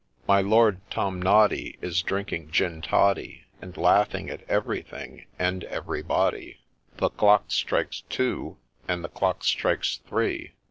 ' My Lord Tomnoddy Is drinking gin toddy, And laughing at ev'ry thing, and ev'ry body. — The clock strikes Two ! and the clock strikes Three